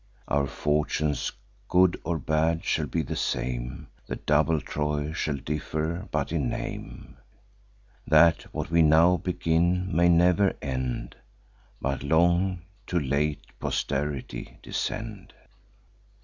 Our fortunes, good or bad, shall be the same: The double Troy shall differ but in name; That what we now begin may never end, But long to late posterity descend.